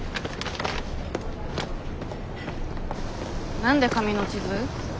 何で紙の地図？